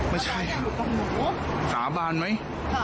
ไม่ใช่หมอสาบานไหม